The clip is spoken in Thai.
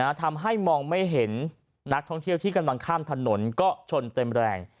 ทำให้มองไม่เห็นนักท่องเที่ยวที่กำลังข้ามถนนก็ชนเต็มแรง